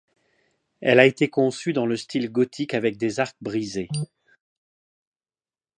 Elle a été conçue dans le style gothique avec des arcs brisés.